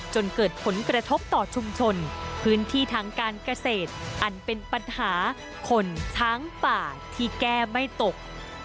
จนเกิดผลกระทบต่อชุมชนพื้นที่ทางการเกษตรอันเป็นปัญหาคนช้างป่าที่แก้ไม่ตก